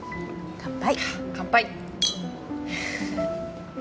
乾杯！